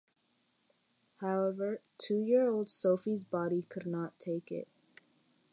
However, two-year-old Sophie's body could not take it.